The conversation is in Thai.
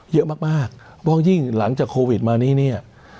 เยอะมากพอยิ่งหลังจากโควิดมานี้